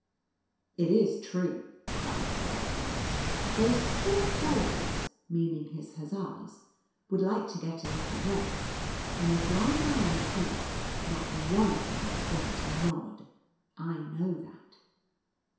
" It is true," cried Fred at last ;" the poor fellows (meaning his hussars) would like to get a little rest, and as long as I am here, not one of them will dare to nod — I know that."